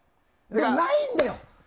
でも、ないんだよ。